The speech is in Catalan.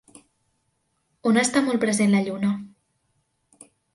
On està molt present la Lluna?